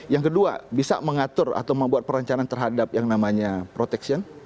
yang kedua bisa mengatur atau membuat perencanaan terhadap yang namanya protection